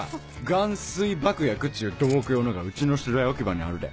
含水爆薬っちゅう土木用のがうちの資材置き場にあるで。